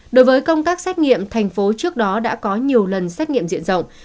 đối với công tác xét nghiệm thành phố trước đó đã có nhiều lần xét nghiệm diện rộng